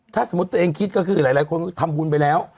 ถ้าสมมุติตัวเองคิดก็คือหลายคนก็ทำบุญไปแล้ว